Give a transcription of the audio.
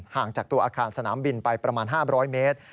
จากตัวอาคารสนามบินไปประมาณ๕๐๐เมตร